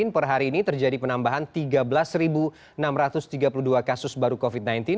per hari ini terjadi penambahan tiga belas enam ratus tiga puluh dua kasus baru covid sembilan belas